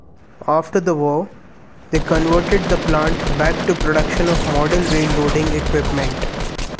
After the war, they converted the plant back to production of model railroading equipment.